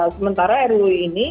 sementara ruu ini